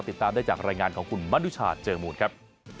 ติดตามได้จากรายงานของคุณมนุชาเจอมูลครับ